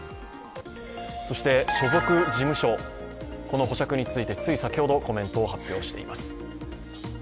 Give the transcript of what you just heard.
そして、所属事務所、この保釈について、つい先ほどコメントを発表しています。